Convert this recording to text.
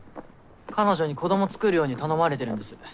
彼女に子どもつくるように頼まれてるんです。